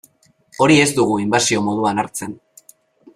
Hori ez dugu inbasio moduan hartzen.